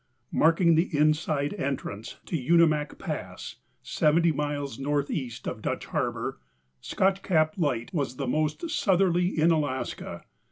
Marking the inside entrance to Unimak Pass, 70 miles northeast of Dutch Harbor, Scotch Cap Light was the most southerly in Alaska.